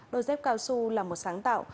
đôi dép cao su là một sáng tạo